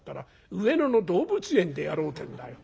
『上野の動物園でやろう』ってんだよ。